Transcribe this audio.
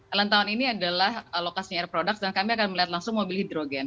allentown ini adalah lokasinya air products dan kami akan melihat langsung mobil hidrogen